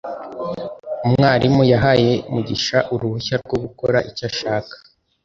umwarimu yahaye mugisha uruhushya rwo gukora icyo ashaka